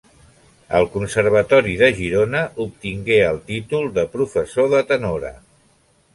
Al Conservatori de Girona obtingué el títol de professor de tenora.